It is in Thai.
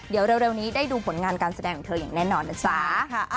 เดี๋ยวเร็วนี้ได้ดูผลงานการแสดงของเธออย่างแน่นอนนะจ๊ะ